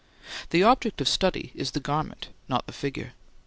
The object of study is the garment, not the figure.